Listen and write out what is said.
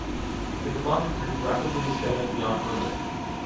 The Klante group rapidly expanded beyond Berlin.